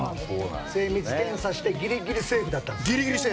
精密検査してギリギリセーフだったと。